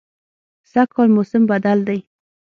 سږکال موسم بدل دی